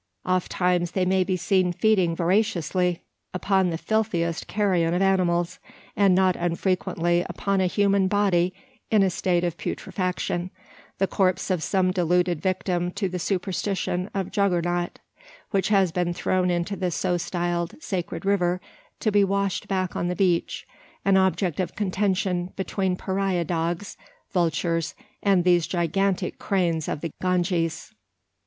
Ofttimes may they be seen feeding voraciously upon the filthiest carrion of animals; and not unfrequently upon a human body in a state of putrefaction the corpse of some deluded victim to the superstition of Juggernaut which has been thrown into the so styled sacred river, to be washed back on the beach, an object of contention between pariah dogs, vultures, and these gigantic cranes of the Ganges!